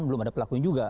belum ada pelakunya juga